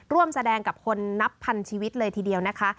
ร่วมแสดงกับคนนับพันชีวิตเลยทีเดียวนะคะ